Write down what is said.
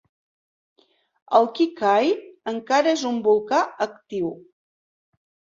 El Kikai encara és un volcà actiu.